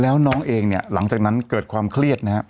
แล้วน้องเองหลังจากนั้นเกิดความเครียดนะครับ